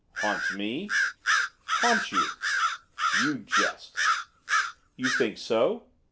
'Haunts me?' 'Haunts you.' 'You jest.' 'You think so?